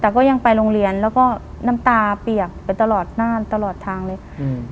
แต่ก็ยังไปโรงเรียนแล้วก็น้ำตาเปียกไปตลอดน่านตลอดทางเลยอืม